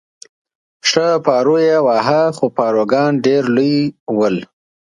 ښه پارو یې واهه، خو پاروګان ډېر لوی ول.